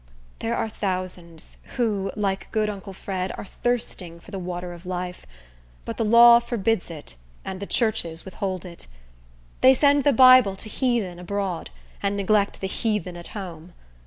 There are thousands, who, like good uncle Fred, are thirsting for the water of life; but the law forbids it, and the churches withhold it. They send the Bible to heathen abroad, and neglect the heathen at home.